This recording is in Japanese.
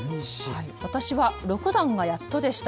私は６段がやっとでした。